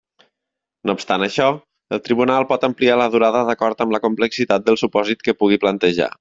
No obstant això, el Tribunal pot ampliar la durada d'acord amb la complexitat del supòsit que pugui plantejar.